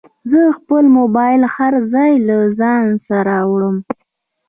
زه خپل موبایل هر ځای له ځانه سره وړم.